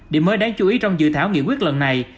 điểm mới đáng chú ý trong dự thảo nghị quyết lần này